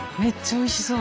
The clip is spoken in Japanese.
おいしそう。